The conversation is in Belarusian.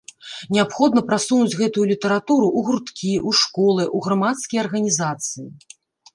Неабходна прасунуць гэтую літаратуру ў гурткі, у школы, у грамадскія арганізацыі.